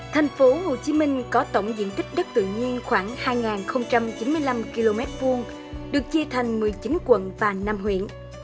thành phố hồ chí minh có tổng diện tích đất tự nhiên khoảng hai chín mươi năm km hai được chia thành một mươi chín quận và năm huyện